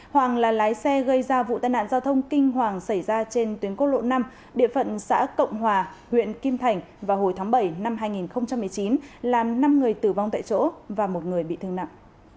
hoàng là lái xe gây ra vụ tai nạn giao thông kinh hoàng xảy ra trên tuyến quốc lộ năm địa phận xã cộng hòa huyện kim thành vào hồi tháng bảy năm hai nghìn một mươi chín làm năm người tử vong tại chỗ và một người bị thương nặng